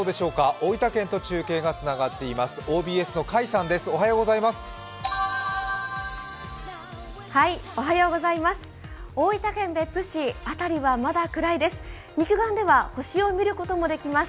大分県別府市辺りはまだ暗いです。